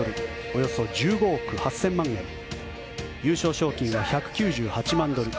およそ１５億８０００万円優勝賞金は１９８万ドル